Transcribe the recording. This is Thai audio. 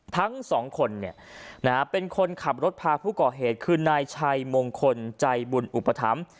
ทั้งสองคนเป็นคนขับรถพาผู้ก่อเหตุคือนายชัยมงคลใจบุญอุปถัมภ์